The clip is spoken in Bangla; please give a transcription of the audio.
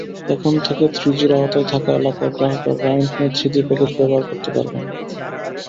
এখন থেকে থ্রিজির আওতায় থাকা এলাকার গ্রাহকেরা গ্রামীণফোনের থ্রিজি প্যাকেজ ব্যবহার করতে পারবেন।